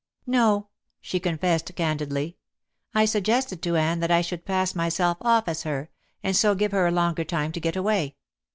"No," she confessed candidly; "I suggested to Anne that I should pass myself off as her, and so give her a longer time to get away.